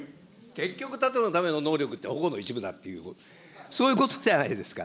結局、盾のための能力って、矛の一部だっていう、そういうことじゃないですか。